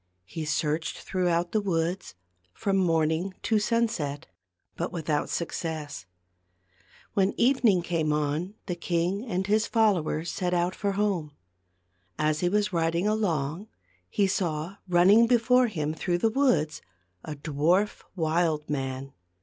He searched throughout the woods, from morning to sunset, but without success. When evening came on the king and his fol lowers set out for home. As he was riding along he saw running before him through the woods a dwarf wild man.